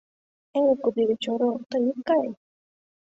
— Эй, кудывече орол, тый ит кае.